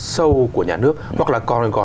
sâu của nhà nước hoặc là còn có